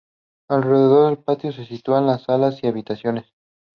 Alrededor del patio se sitúan las salas y habitaciones.